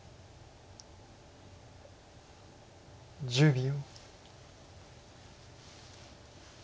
１０秒。